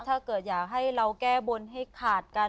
ถ้าเกิดอยากให้เราแก้บนให้ขาดกัน